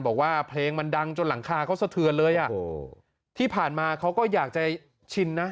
บอกว่าเพลงมันดังจนหลังคาเขาสะเทือนเลยอ่ะโอ้โหที่ผ่านมาเขาก็อยากจะชินนะ